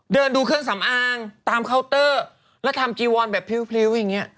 เดินดูเครื่องสำอางตามเคาน์เตอร์แล้วทำจีวอนแบบพริ้วอย่างเงี้ย